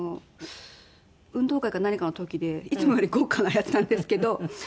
運動会か何かの時でいつもより豪華なやつなんですけど。